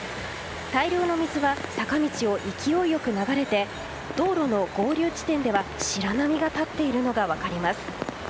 大量の水は坂道を勢いよく流れて道路の合流地点では白波が立っているのが分かります。